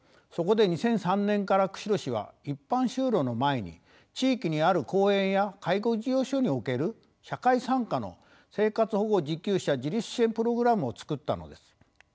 そこで２００３年から釧路市は一般就労の前に地域にある公園や介護事業所における社会参加の生活保護受給者自立支援プログラムを作ったのです。